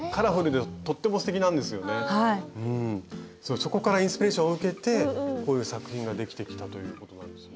そこからインスピレーションを受けてこういう作品ができてきたということなんですね。